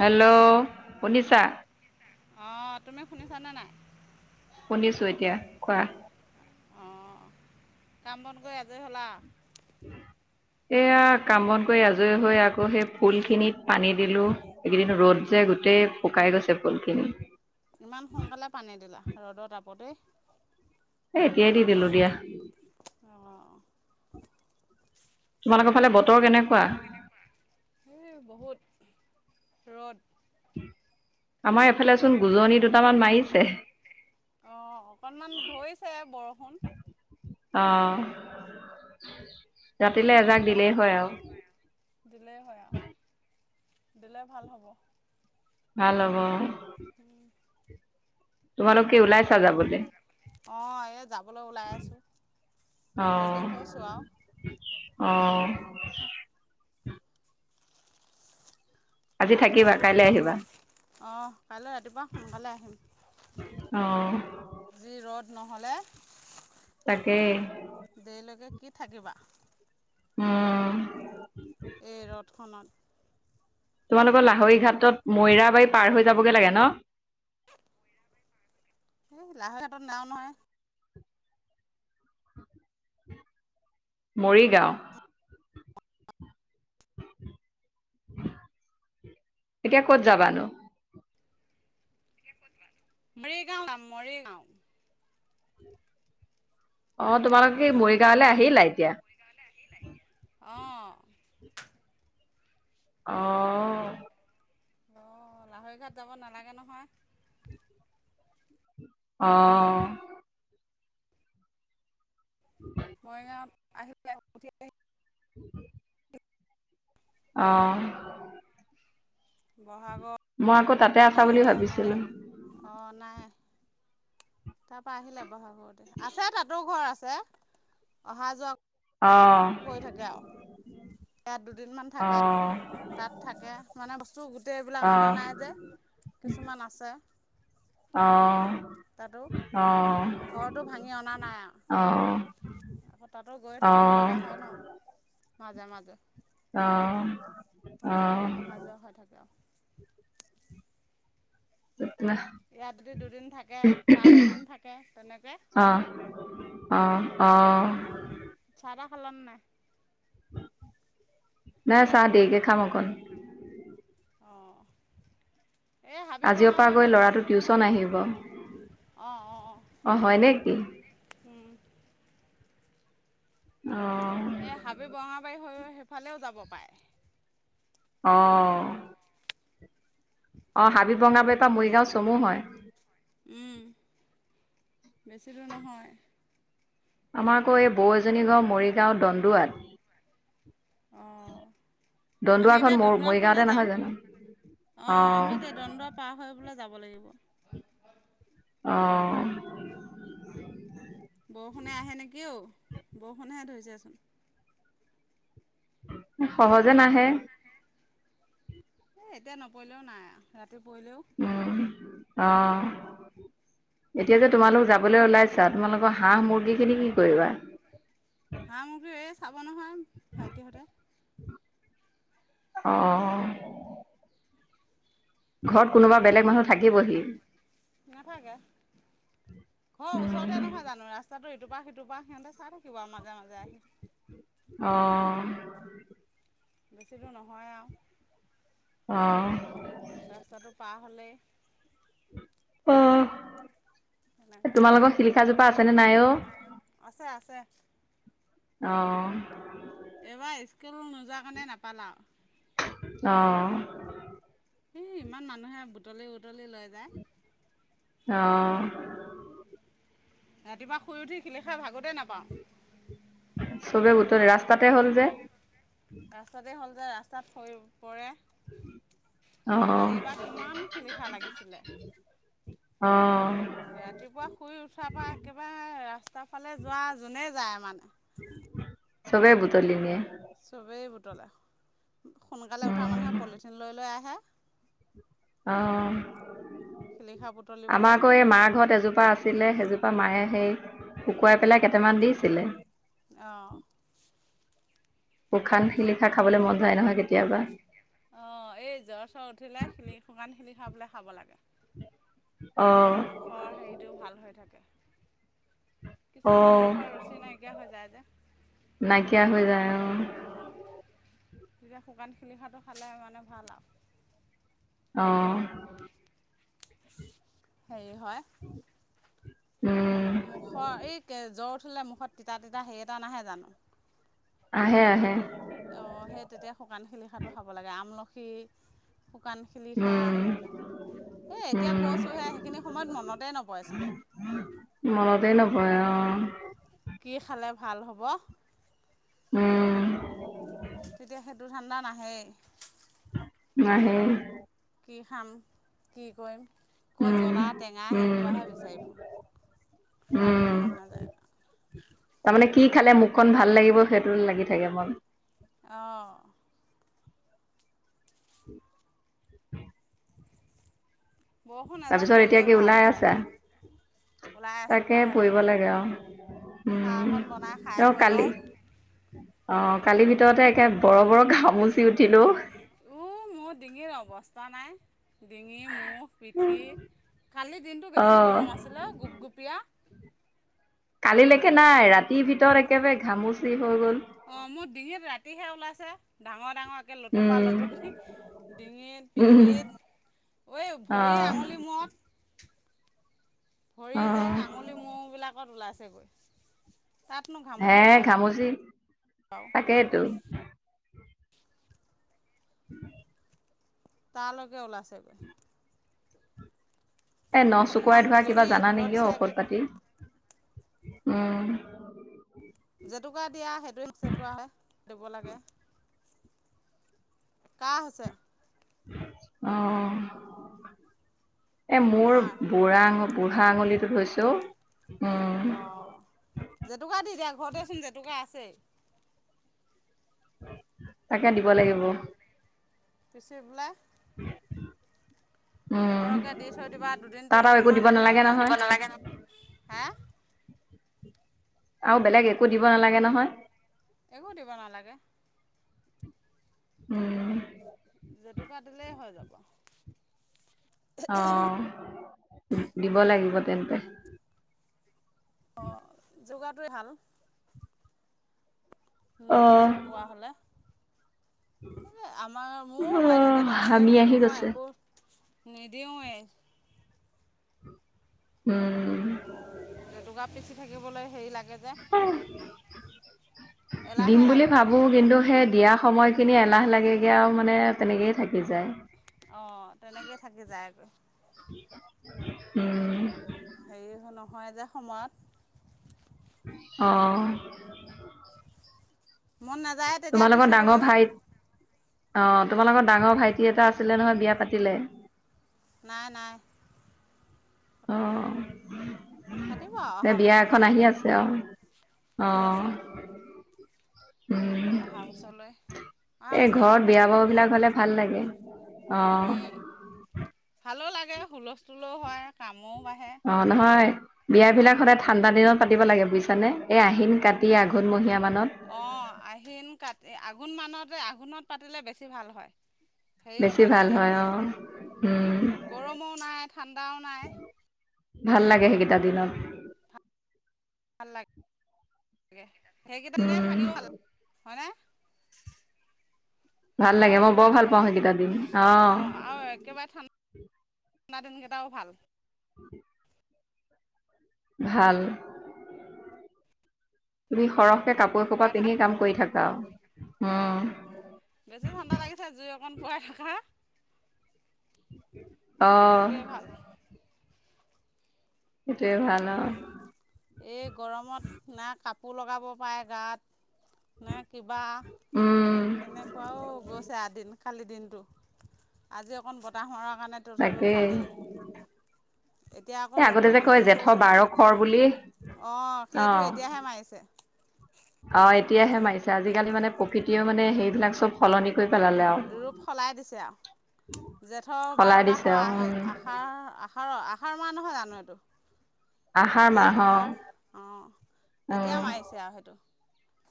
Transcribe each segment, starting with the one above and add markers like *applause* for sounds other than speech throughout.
Hello শুনিছা? অ' তুমি শুনিছা নে নাই? শুনিছো এতিয়া কোৱা। অ' কাম বন কৰি আজৰি হ'লা? উম। এয়া কাম বন কৰি আজৰি হৈ আকৌ সেই ফুলখিনিত পানী দিলোঁ, এইকেইদিন ৰ'দ যে। গোটেই শুকাই গৈছে ফুলখিনি। ইমান সোনকালে পানী দিলা ৰ'দৰ তাপতেই? এ, এতিয়াই দি দিলোঁ দিয়া। অঁ তোমালোকৰ ফালে বতৰ কেনে বতৰ কেনেকুৱা? এ বহুত, ৰ'দ। আমাৰ এইফালে চোন গোজনি দুটামান মাৰিছে। অ', অকনমান ধৰিছে বৰষুণ। অ'। ৰাতিলে কি এজাক হয় দিলেই আৰু দিলেই হয় আও। দিলে ভাল হ'ব। ভাল হব অ'। তোমালোক কি ওলাইছা যাবলে? অ', এই যাবলে ওলাই আছোঁ। অ ৰেডি হৈছোঁ আৰু। *inaudible* আজি তাৰ আগতে থাকিবা বোলো, কাইলৈ আহিবা অ', কাইলে ৰাতিপুৱা সোনকালে আহিম। অ যি ৰ'দ নহ'লে। সে দেইলৈকে কি থাকিবা। উম। এই ৰ'দখনত। তোমালোকৰ লাহৰি ঘাটত, মৈৰাবাৰী পাৰ হৈ যাবগে লাগে ন? *inaudible* এই লাহৈঘাটত নাওঁ নহয়। *inaudible* মৰিগাঁও *inaudible* এতিয়া ক'ত যাবানো? মৰিগাঁও যাম মৰিগাঁও। অ', তোমালোকে এই মৰিগাঁৱলে আহিলা এতিয়া। অ' *inaudible* অ'। অ', লাহৰীঘাট ঘাট যাব নালাগে নহয়। অ'। মৰিগাঁৱত আহি পেলাই *unintelligible* *inaudible* অ'। ব'হাগৰ তাতে আছা বুলি *unintelligible* ভাবিছিলোঁ অ', নাই। তাপা আহিলে ব'হাগতে, আছে তাতো ঘৰ আছে। অহা যোৱা অঁ কৰি থাকে আৰু। ইয়াত দুদিনমান থাকে, অঁ তাত থাকে মানে বস্ত চো গোটেই এইবিলাক অনা অঁ নাই যে, কিছুমান আছে। তাতো অ', ঘৰটো অ', ভাঙি অনা নাই আৰু অ'। আকৌ তাতো গৈয়ে থাকিব লগা হয় ন, মাজে মাজে। অ'। সে অহা যোৱা হৈ থাকে আও। ইয়াত যদি দুদিন থাকে, তাত এদিন থাকে তেনেকে। অ'। ছাহ তাহ খালান নাই? নাই ছাহ দেৰিকে খাম অকণ। অঁ এই হাবি আজিৰপা বঙাবাৰীৰ গৈ ল'ৰাটো টিউচন আহিব। অ', অ', হয় নেকি অ', উম। অ'। সেই হাবি বঙাবাৰী হৈও সেফালেও যাব পাৰে। অ', মৰিগাঁও তা মৰিগাঁও চমু হয়। উ বেছিলো নহয় আমাৰ আকৌ এই বৌ এজনী ঘৰ মৰিগাঁও দণ্ডুৱাত অ দণ্ডুৱাখন ম মৰিগাঁৱতে নহয় জানো অ আমি এতিয়া দণ্ডুৱা পাৰ হৈ বলে যাব লাগিব অ বৰষুণে আহে নেকি অ বৰষুণেহে ধৰিছেচোন সহজে নাহে এই এতিয়া নপৰিলেও নাই ৰাতি পৰিলেও উম, অ'। এতিয়া যে তোমালোক যাবলৈ ওলাইছা তোমালোকৰ হাঁহ মুৰ্গী খিনি কি কৰিবা হাঁহ মুৰ্গী চাব ব নহয় ভাইটি হটে অ ঘৰত কোনোবা বেলেগ মানুহ থাকিবহি ঘৰ ওচৰতে উম, নহয় জানো ৰা ইটোপাৰ সিটোৰ পৰা সিহঁতে চাই থাকিব আৰু মাজে মাজে আহি অ বেছি দুৰ নহয় আও অ পা হ'লে অ তেনেকৈ তোমালোকৰ শিলিখাজোপা আছে নে নাই অ আছে আছে অ এইবাৰ স্কুল নোযোৱা কাৰণে নাপালাও অ ই ইমান মানুহে বুটলি বুটলি লৈ যায়। অ ৰাতিপুৱা শুই উঠি শিলিখা ভাগতেই নাপাওঁ। চবে বোটলে ৰাস্তাতে হ'ল যে ৰাস্তাতে হ'ল যে ৰাস্তাত থ বা অ'। এইবাৰ কিমান শিলিখা লাগিছিলে। অ ৰাতিপুৱা শুই উঠাৰ পৰা একেবাৰে ৰাস্তাৰ ফালে যোৱা যোনে যায় মানে *inaudible* তলিনে চবেই বুটলে সোনকালে উঠা উম, মানুহে পলিথিন লৈ-লৈ আহে। অ শিলিখা আমাৰ বুটলিবলৈ আকৌ এই মাৰ ঘৰত এজোপা আছিলে। সেইজোপা মায়ে সেই শুকুৱাই পেলাই কেইটামান দিছিলে। অ উুখান শিলিখা খাবলৈ মন যায় নহয় কেতিয়াবা অ, এই জ্বৰ চ্বৰ উঠিলে শিলি শুকান শিলিখা খাব লাগে। তেতিয়া অ', মুখৰ হেৰিটোও ভাল হৈ থাকে। কিছু ন অ', মুখৰ ৰুচি নাইকিয়া হৈ যায় যে হৈ নাইকিয়া যায় অ যেতিয়া শুকান শিলিখাটো খালে মানে ভাল আৰু অ হে হয় উম। মুখৰ এ কে জ্বৰ *unintelligible* মুখত তিতা-তিতা সেই এটা নাহে জানো? আহে-আহে অ হেই তেতিয়া শুকান শিলিখাটো খাব লাগে আমলখি শুকান শিলিখা উম, এ-এতিয়া উম, কৈছোঁহে সেইখিনি সময়ত মনতে নপৰেচোন মনতে নপৰে অ' কি খালে ভাল হ'ব উম। টো ঠাণ্ডা নাহে নাহেই কি খাম? কি কৰিম? ক'ৰ উম, জ্বলা টেঙা উম, সেইসোপাহে বিচাৰি ফুৰ খাবলে উম। মন নাযায়। তাৰমানে কি খালে মুখখন ভাল লাগিব, সেইটো লাগি থাকে মন অ'। *inaudible* বৰষুণ এজাক তাৰপিছত এতিয়া পৰিলেই কি ভাল ওলাই হয় আছা আৰু ওলাই আছোঁ তাকে লাহে পৰিব লাহে লাগে আৰু চাহ উম অকণ বনাই খাই তেওঁ কৰি কালি লওঁ। অ', কালিৰ ভিতৰতে একে বৰ বৰ ঘামচি উঠিল ঔ। উ, মোৰ ডিঙিৰ অৱস্থা নাই। ডিঙি, মুখ, পিঠি কালি দিনটো অ বেছি গৰম আছিলে গোপগুপীয়া কালিলেকে হ'লেও নাই ৰাতিৰ ভিতৰত একেবাৰে ঘামচি হৈ গ'ল অ', মোৰ ডিঙিত ৰাতিহে ওলাইছে ডাঙৰ ডাঙৰকে লতুপা উম লতুবি ডিঙিত উম পিঠিত এই অ ভৰি আঙুলি মূৰত ভৰি অ যে আঙুলি মূৰবিলাকত ওলাইছেগৈ। তাতনো হে, ঘামুচি ওলাই নাই ঘামুচি, বাৰু তাকেইেতো। উম *unintelligible* তালৈকে ওলাইছেগৈ। এ নখ ইমান চুকুৱাই ধৰা কিবা খজুৱতি জানা ৰ'দ নেকি দিছে অ', একে ঔষধ পাতি? উম। জেতুকা দিয়া সেইটোৱে *unintelligible* মসে কৰাহে দিব লাগে কাৰ হৈছে? অ', এ মোৰ তোমাৰ বুঢ়া আঙুলি বুঢ়া আঙুলিটো হৈছে ঔ। অ', জেতুকা দি দিয়া ঘৰতেচোন জেতুকা আছেই। তাকে দিব লাগিব। পিচি পেলাই। *unintelligible* সৰহকে দি থৈ দিবা দুদিন তাত আৰু একো তিনদিনমান দিব নালাগে একেলগে নহয়। হা? আৰু বেলেগ একো দিব নালাগে নহয়। একো দিব নালাগে উম। জেতুকা দিলেই হৈ যাব। অ', দিব লাগিব তেন্তে। অ', জেতুকাটোৱে ভাল। অ। নখ চকোৱা হ'লে। এ-আমাৰ মোৰো অ হৈ থাকে তেনেকে হামি আহি কিন্তু মই গৈছে একো নিদিওঁৱে। উম। জেতুকা পিচি থাকিবলৈ হেৰি লাগে যে দিম এলাহে বুলি লাগেগৈ ভাবো কিন্তু সেই দিয়া সময়ত খিনি এলাহ লাগেগে আৰু মানে তেনেকেই থাকি যায়। আহ তেনেকেই থাকি যায় আগত। উম। হেৰি নহয় যে সময়ত। আহ। মন নাযায় তেতিয়া তোমাৰ লগত ডাঙৰ পিচিবলৈ ভাই অ', তোমাৰ লগৰ ডাঙৰ ভাইটি এটা আছিলে নহয় বিয়া পাতিলে? নাই নাই পতা নাই। অ', পাতিব আৰু এ অহা বিয়া এখন আহি বছৰমানলৈ আছে আৰু আহি আছে অ'। আৰু উম, অহা বছৰলৈ অহা এই বছৰ মানে ঘৰত বিয়া বাৰু পাতিবগৈ বিলাক আৰু হ'লে ভাল লাগে। আহ। উম, ভালো লাগে হুলস্থুলও হয় কাম অ', নহয়। বিয়াবিলাক সদায় ঠাণ্ডা দিনত পাতিব লাগে বুজিছানে। এই আহিন কাতি আঘোণ মহীয়া অ', আহিন কাতি আঘোণ মানতে আঘোণত পাতিলে বেছি ভাল হয়। হেৰি বেছি নহয় ভাল তেতিয়া হয় অ'। উম, গৰমো নাই ঠাণ্ডাও নাই। ভাল লাগে সেইকেইটা দিনত। ভাল লাগে সেইকেইটা দিনে উম, থাকিও ভাল লাগে হয়নে। ভাল আৰু লাগে মই একেবাৰে বৰ ভাল পাওঁ ঠাণ্ডা সেইকেইটা দিন অ'। অঁ আৰু একেবাৰে ঠাণ্ডা দিন কেইটাও ভাল। ভাল। তুমি সৰহকে কাপোৰ কপা পিন্ধিে কাম কৰি থাকা আৰু। উম, আহ বেছি ঠাণ্ডা লাগিছে জুই অকণ পোৱাই থকা। অ', সেইটোৱে ভাল। সেইটোৱে ভাল অ'। এই গৰমত না কাপোৰ লগাব পাৰে গাত। নে কিবা উম, কেনেকুৱাও গৈছে আৰু দিন। কালি দিনটো আজি অকণ বতাহৰ কাৰণে তথাপিও তাকেই। ভালেই এতিয়া এ আকৌ আগতে ৰ'দটো যে অকণ কয় জুোপ জেঠৰ হৈছে বাৰ বাৰু। খৰ বুলি অ', সেইটো এতিয়াহে মাৰিছে। অ', এতিয়াহে মাৰিছে আজিকালি মানে প্ৰকৃতিয়ও মানে সেইবিলাক চব সলনি কৰি পেলালে আৰু ৰূপ সলাই দিছে আৰু। জেঠৰ সলাই বাৰটা দিছে খৰ আৰু উম আহ-আহাৰ আহাৰ আহাৰ মাহ নহয় জানো আহাৰ এইটো মাহ জেঠ আহাৰ অ'। এতিয়া মাৰিছে আৰু সেইটো।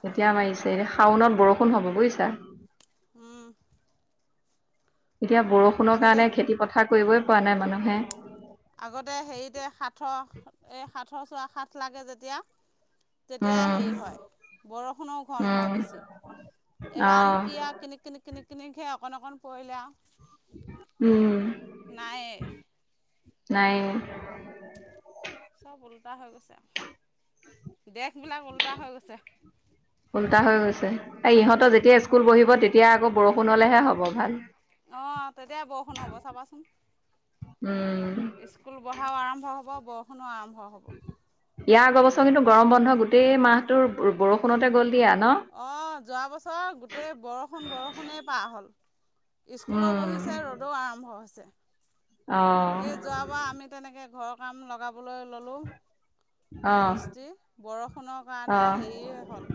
এতিয়া মাৰিছে এনে শাওনত বৰষুণ হ'ব বুজিছা। উম। এতিয়া বৰষুণৰ কাৰণে খেতি পথাৰ কৰিবই পৰা নাই মানুহে। আগতে হেৰিতে সাঠৰ এই সাঠৰ চোৱা সাঠ লাগে যেতিয়া। তেতিয়া উম হেৰি হয় বৰষুণৰো ঘন উম হয় বেছি। অ এবাৰনো কি আৰু কিনি কিনিক কিনিক কিন কিনকে অকণ অকণ পৰিলে উম আৰু নাইয়ে। নাইয়ে। চব ওল্টা হৈ গৈছে দেশবিলাক ওল্টা হৈ গৈছে। ফলটা হৈ গৈছে ইহঁতৰ যেতিয়া স্কুল বহিব তেতিয়া আকৌ বৰষুণ হলেহে হ'ব ভাল। আহ তেতিয়া বৰষুণ হ'ব চাবাচোন। উম স্কুল বঢ়াও আৰম্ভ হ'ব। বৰষুণো আৰম্ভ হ'ব ইয়াৰ আগৰ বছৰ কিন্তু গৰম বন্ধ গোটেই মাহটোৰ বৰষুণতে গ'ল। দিয়া ন? অ', যোৱা বছৰ গোটেই বৰষুণ বৰষুণেই পাৰ হ'ল। স্কুলো উম, বহিছে ৰ'দো আৰম্ভ হৈছে। অ', এই যোৱাবাৰ আমি তেনেকে ঘৰৰ কাম লগাবলৈ ললো অ', মিস্ত্ৰী বৰষুণৰ কাৰণে অ', হেৰি হ'ল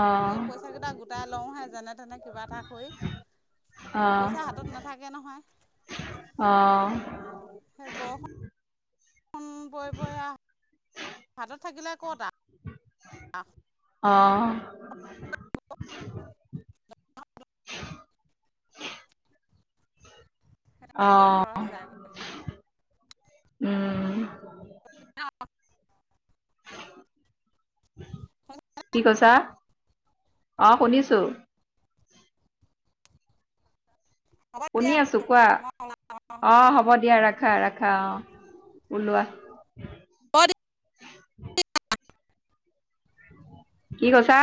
অ', এই পইচাকেইটা গোটাই লওঁহে যেনে তেনে কিবা এটা কৰি পইচা হাতত নাথাকে অ', নহয় অ'। অ',। খন বৈ *unintelligible* ভাতত থাকিলে কতা উ *unintelligible* অ *unintelligible* অ',। তেনেকে অ', খৰচ যায় মানে উম। *unintelligible* কি কৈছা। অ', শুনিছোঁ। হ'ব শুনি দিয়া, আছো বোলো কোৱা। ম অ', হ'ব দিয়া ৰাখা, ৰাখা অ', ওলোৱা। মই কি কৈছা।